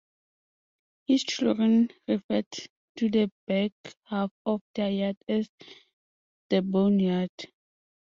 His children referred to the back half of their yard as The Bone Yard.